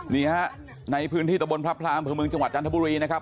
นี่ฮะในพื้นที่ตะบนพระพลาอำเภอเมืองจังหวัดจันทบุรีนะครับ